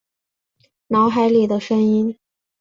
脑海里的声音